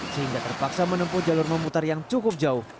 sehingga terpaksa menempuh jalur memutar yang cukup jauh